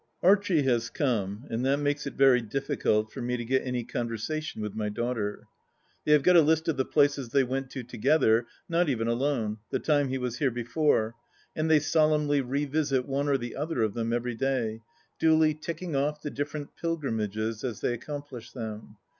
Archie has come, and that makes it very difficult for me to get any conversation with my daughter. They have got a list of the places they went to together (not even alone) the time he was here before, and they solemnly revisit one or the other of them every day, duly ticking off the different pilgrimages as they accomplish them.